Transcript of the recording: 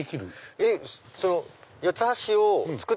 えっ！